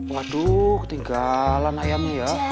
waduh ketinggalan ayamnya ya